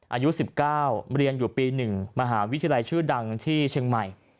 อายุ๑๙เรียนอยู่ปี๑มหาวิทยาลัยชื่อดังที่เชียงใหม่